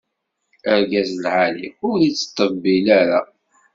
Argaz lɛali ur as-teṭṭebbil ara.